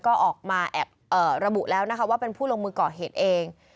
ก็ออกมาแอบระบุแล้วนะคะว่าเป็นผู้ลงมือก่อเหตุเอง